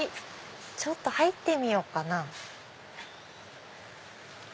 ちょっと入ってみようかな。